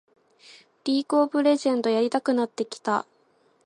リーグ・オブ・レジェンドやりたくなってきた